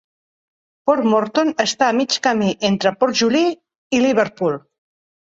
Port Mouton està a mig camí entre Port Joli i Liverpool.